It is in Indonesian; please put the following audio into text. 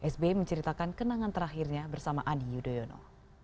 sbi menceritakan kenangan terakhirnya bersama ani yudhoyono